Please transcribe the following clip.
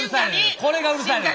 これがうるさいのよ。